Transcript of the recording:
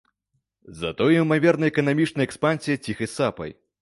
Затое імаверная эканамічная экспансія ціхай сапай.